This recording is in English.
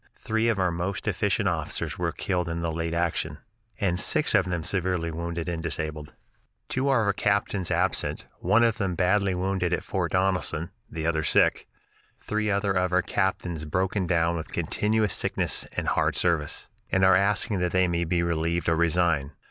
Three of our most efficient officers were killed in the late action, and six of them severely wounded and disabled. Two of our captains absent; one of them badly wounded at Fort Donelson, the other sick. Three other of our captains broken down with continuous sickness and hard service, and are asking that they may be relieved or resign.